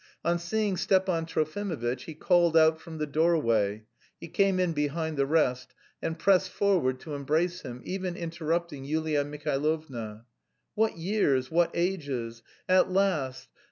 On seeing Stepan Trofimovitch, he called out from the doorway (he came in behind the rest) and pressed forward to embrace him, even interrupting Yulia Mihailovna. "What years, what ages! At last...